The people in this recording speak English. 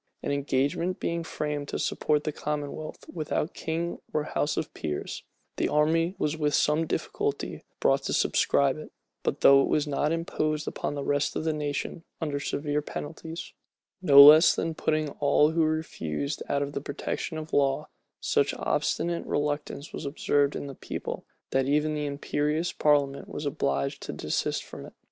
An engagement being framed to support the commonwealth without king or house of peers, the army was with some difficulty brought to subscribe it; but though it was imposed upon the rest of the nation under severe penalties, no less than putting all who refused out of the protection of law, such obstinate reluctance was observed in the people, that even the imperious parliament was obliged to desist from it.